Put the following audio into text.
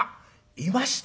いました！